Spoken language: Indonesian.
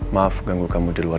maaf ganggu kamu di luar